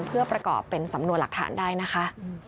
เพื่อประกอบเป็นสำนวนหลักฐานได้นะคะ